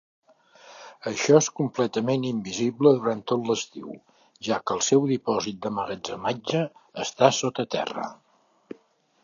Això és completament invisible durant tot l'estiu, ja que el seu dipòsit d'emmagatzematge està sota terra.